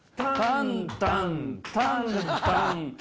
タンタンタンタン！